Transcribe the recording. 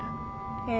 ええ。